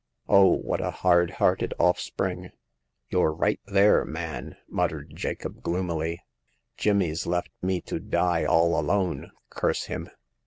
" Oh, what a hard hearted offspring !"" You're right there, man," muttered Jacob, gloomily. Jimmy's left me to die all alone, curse him